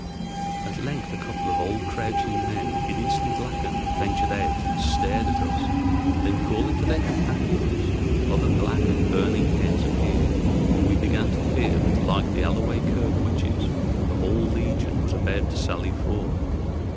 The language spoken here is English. At length a couple of old, crouching men, hideously blackened, ventured out and stared at us, then, calling to their companions, other black and burning heads appeared, and we began to fear that like the Alloway Kirk witches the whole legion was about to sally forth.